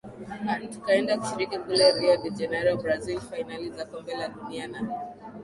aa tukaenda kushiriki kule rio de janiro brazil fainali za kombe la dunia na